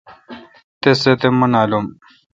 تس سہ تو مہ نالم۔